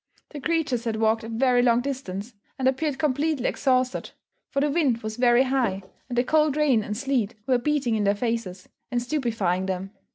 The creatures had walked a very long distance, and appeared completely exhausted; for the wind was very high, and the cold rain and sleet were beating in their faces, and stupifying them.